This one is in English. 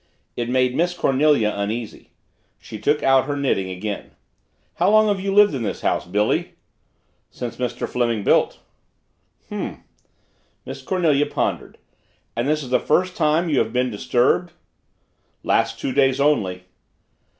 It made Miss Cornelia uneasy. She took out her knitting again. "How long have you lived in this house, Billy?" "Since Mr. Fleming built." "H'm." Miss Cornelia pondered. "And this is the first time you have been disturbed?" "Last two days only."